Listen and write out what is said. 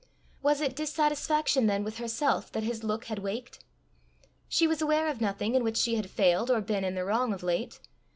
Was it dissatisfaction then with herself that his look had waked? She was aware of nothing in which she had failed or been in the wrong of late.